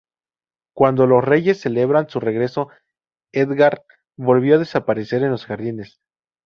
Cuando los reyes celebraban su regreso, Edgard volvió a desaparecer en los jardines.